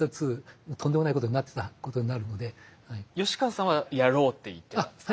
吉川さんは「やろう」って言ってたんですか？